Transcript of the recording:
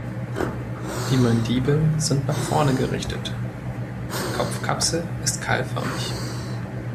Die Mandibeln sind nach vorne gerichtet, die Kopfkapsel ist keilförmig.